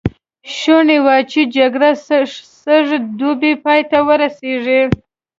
شوني وه چې جګړه سږ دوبی پای ته ورسېږي.